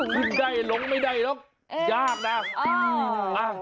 ขึ้นได้ลงไม่ได้หรอกยากนะ